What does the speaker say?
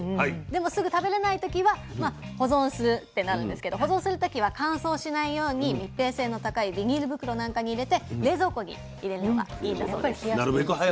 でもすぐ食べれない時は保存するってなるんですけど保存する時は乾燥しないように密閉性の高いビニール袋なんかに入れて冷蔵庫に入れるのがいいんだそうです。